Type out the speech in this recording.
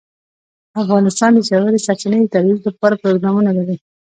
افغانستان د ژورې سرچینې د ترویج لپاره پروګرامونه لري.